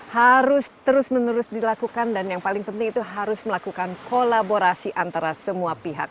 harus terus menerus dilakukan dan yang paling penting itu harus melakukan kolaborasi antara semua pihak